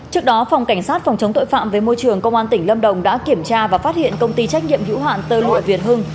trước đó phòng cảnh sát phòng chống tội phạm với môi trường công an tỉnh lâm đồng đã kiểm tra và phát hiện công ty trách nhiệm hữu hạn tơ lụa việt hưng